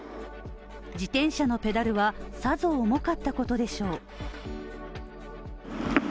自転車のペダルは、さぞ重かったことでしょう。